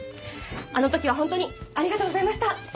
あの時はホントにありがとうございました！